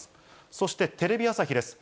そしてテレビ朝日です。